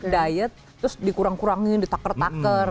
diet terus dikurang kurangin ditakar takar